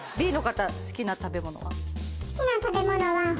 Ｂの方好きな食べ物は？